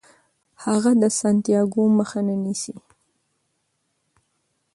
هغه د سانتیاګو مخه نه نیسي.